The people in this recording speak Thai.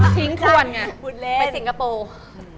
ทิ้งควรไงไปสิงคโปร์พูดเล่น